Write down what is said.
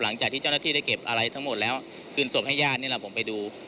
หลังจากที่เจ้าหน้าที่ได้เก็บอะไรทั้งหมดแล้วคืนศพให้ญาตินี่แหละผมไปดู